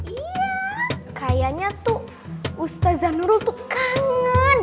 iya kayaknya tuh ustaz zanurul tuh kangen